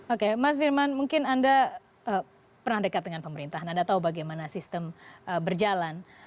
oke mas firman mungkin anda pernah dekat dengan pemerintahan anda tahu bagaimana sistem berjalan